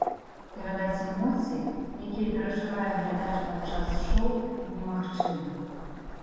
Перадаць эмоцыі, якія перажывае глядач падчас шоў, немагчыма.